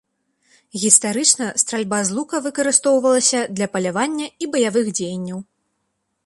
Гістарычна стральба з лука выкарыстоўвалася для палявання і баявых дзеянняў.